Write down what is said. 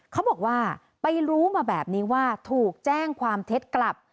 เขาบอกว่าไปรู้มาแบบนี้ว่าถูกแจ้งความเท็จกลับ